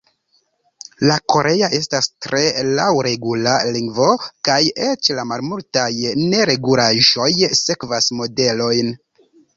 La korea estas tre laŭregula lingvo, kaj eĉ la malmultaj neregulaĵoj sekvas modelojn.